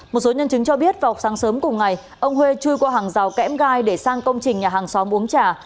một số nhân chứng cho biết vào sáng sớm cùng ngày ông huê chui qua hàng rào kẽm gai để sang công trình nhà hàng xóm uống trà